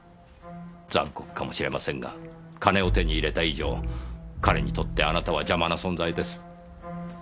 残酷かもしれませんが金を手に入れた以上彼にとってあなたは邪魔な存在です。